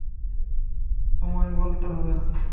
তোমায় বলতে হবে না।